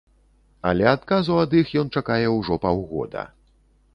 Але адказу ад іх ён чакае ўжо паўгода.